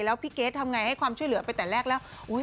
แล้วพี่เกรททำไงให้ความช่วยเหลือไปแต่แรกแล้ว